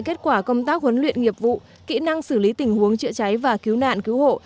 kết quả công tác huấn luyện nghiệp vụ kỹ năng xử lý tình huống chữa cháy và cứu nạn cứu hộ